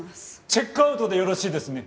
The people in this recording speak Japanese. チェックアウトでよろしいですね？